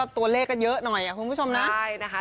ตัวเลขกันเยอะหน่อยคุณผู้ชมนะ